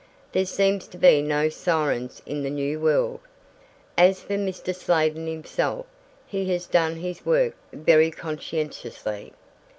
There seem to be no sirens in the New World. As for Mr. Sladen himself, he has done his work very conscientiously.